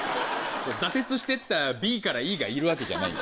挫折してったＢからＥがいるわけじゃない。